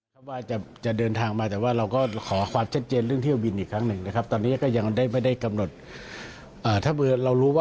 ซึ่งหลังจากนั้นก็ต้องมีที่จะต้องนำตัวไปนะครับ